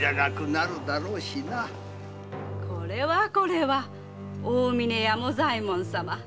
これはこれは大峯屋茂左衛門様。